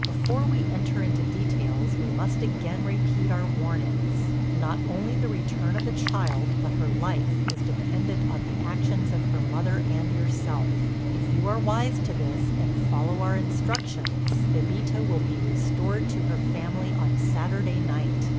Before we enter into details we must again repeat our warnings—not only the return of the child but her life is dependent on the actions of her mother and yourself. If you are wise to this and follow our instructions Bébita will be restored to her family on Saturday night.